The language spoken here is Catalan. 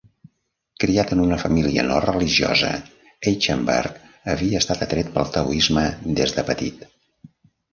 Criat en una família no religiosa, Eichenberg havia estat atret pel taoisme des de petit.